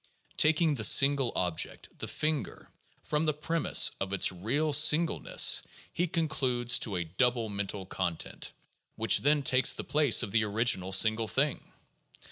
Taking the single object, the finger, from the premise of its real singleness he concludes to a double mental content, which then takes the place of the original single thing!